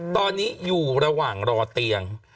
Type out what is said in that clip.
กล้องกว้างอย่างเดียว